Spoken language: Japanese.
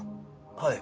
はい。